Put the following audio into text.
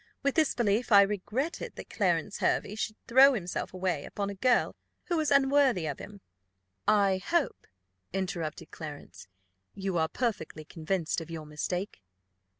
With this belief, I regretted that Clarence Hervey should throw himself away upon a girl who was unworthy of him." "I hope," interrupted Clarence, "you are perfectly convinced of your mistake."